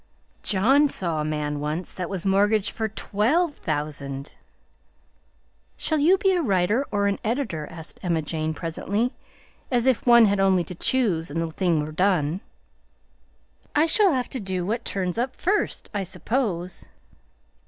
John saw a man once that was mortgaged for twelve thousand." "Shall you be a writer or an editor?" asked Emma Jane presently, as if one had only to choose and the thing were done. "I shall have to do what turns up first, I suppose."